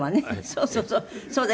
そうそうそう。